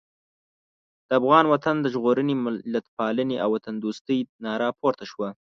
د افغان وطن د ژغورنې، ملتپالنې او وطندوستۍ ناره پورته شوه.